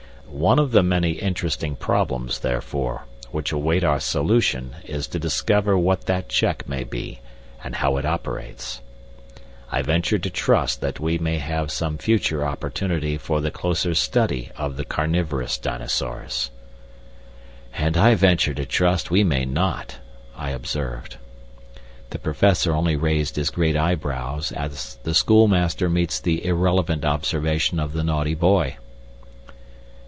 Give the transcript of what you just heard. One of the many interesting problems, therefore, which await our solution is to discover what that check may be and how it operates. I venture to trust that we may have some future opportunity for the closer study of the carnivorous dinosaurs." "And I venture to trust we may not," I observed. The Professor only raised his great eyebrows, as the schoolmaster meets the irrelevant observation of the naughty boy.